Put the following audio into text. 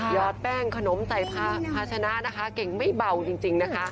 ยอดแป้งขนมใจค่ะพาชนะเก่งไม่เบาจริง